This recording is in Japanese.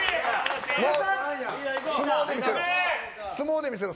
相撲で見せろ。